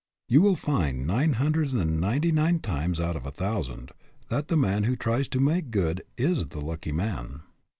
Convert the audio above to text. You will find, nine hun dred and ninety nine times out of a thousand, that the man who tries to make good is the " lucky man."